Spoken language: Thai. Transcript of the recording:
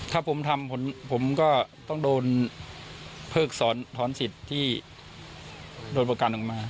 ถ้าผมทำผมก็ต้องโดนเพิกสอนถอนสิทธิ์ที่โดนประกันออกมา